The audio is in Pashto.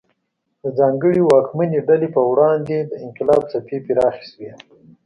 د ځانګړې واکمنې ډلې پر وړاندې د انقلاب څپې پراخې شوې.